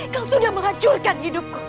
kau sudah menghancurkan hidupku